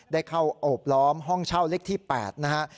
ได้เข้าโอบล้อมห้องเช่าเลขที่๘นะฮะ